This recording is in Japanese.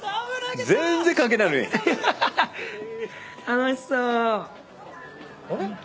あれ？